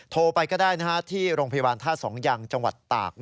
โทรไปก็ได้ที่โรงพยาบาลท่าสองยังจังหวัดตาก